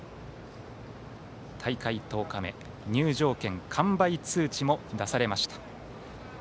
大会１０日目、入場券完売通知も出されました。